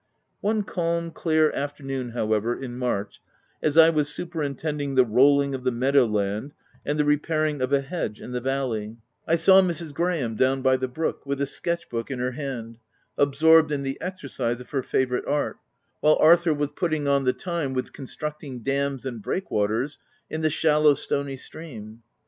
One calm, clear afternoon, however, in March, as I was superintending the rolling of the meadow land, and the repairing of a hedge in the valley, I saw Mrs. Graham down by the brook, with a sketch book in her hand, ab sorbed in the exercise of her favourite art, while Arthur was putting on the time with con structing dams and breakwaters in the shallow, stony stream.